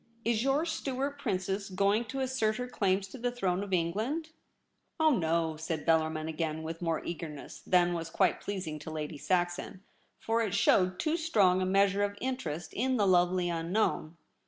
Is your Stuart Princess going to assert her claims to the throne of England ?'' Oh no !' said Bellarmin, again with more eagerness than was quite pleasing to Lady Saxon, for it showed too strong a measure of interest in the lovely unknown.